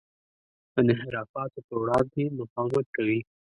د انحرافاتو پر وړاندې مقاومت کوي.